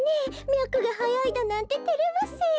みゃくがはやいだなんててれますよ。